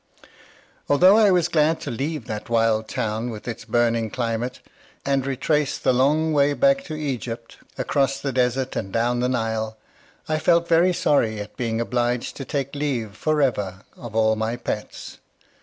Although I was glad to leave that wild town, with its burning climate, and retrace the long way back to Egypt, across the Desert and down the Nile, I felt very sorry at being obliged to take leave forever of all my pets.